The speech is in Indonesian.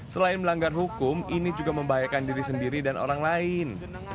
selain melanggar hukum ini juga membahayakan diri sendiri dan orang lain